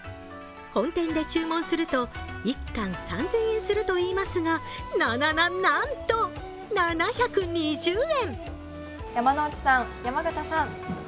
本店で注文すると１貫３０００円するといいますが、ななな、なんと７２０円！